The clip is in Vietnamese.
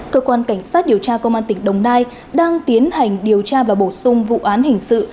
cơ quan cảnh sát điều tra công an tỉnh đồng nai đang tiến hành điều tra và bổ sung vụ án hình sự